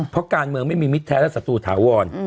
เพราะการเมืองไม่มีมิตรแท้และศัตรูถาวร